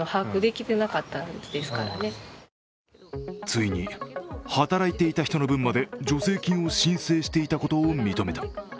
ついに、働いていた人の分まで助成金を申請したことを認めた。